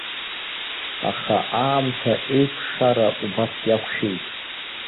Аха аамҭа еикәшара убас иақәшәеит.